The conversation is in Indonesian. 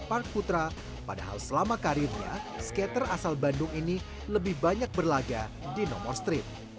park putra padahal selama karirnya skater asal bandung ini lebih banyak berlaga di nomor street